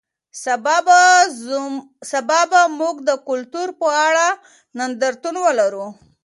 سبا به موږ د کلتور په اړه نندارتون ولرو.